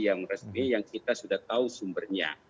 yang resmi yang kita sudah tahu sumbernya